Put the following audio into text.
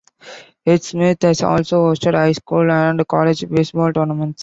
Ed Smith has also hosted high school and college baseball tournaments.